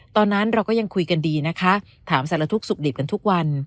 ตอนนั้นเราก็คุยกันดีถามศาลธุกษ์สุขดีบกันทุกวัน